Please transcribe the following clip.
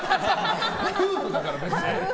夫婦だから、別に。